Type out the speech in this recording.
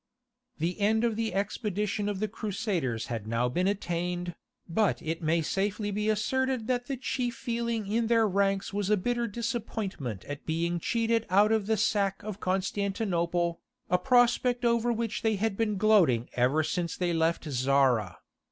The end of the expedition of the Crusaders had now been attained, but it may safely be asserted that the chief feeling in their ranks was a bitter disappointment at being cheated out of the sack of Constantinople, a prospect over which they had been gloating ever since they left Zara.